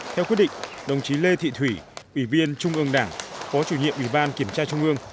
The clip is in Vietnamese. theo quyết định đồng chí lê thị thủy ủy viên trung ương đảng phó chủ nhiệm ủy ban kiểm tra trung ương